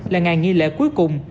là ngày nghi lễ cuối cùng